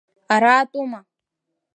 Араатәума?